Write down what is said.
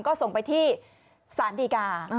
ก็ส่งไปที่สารดีกา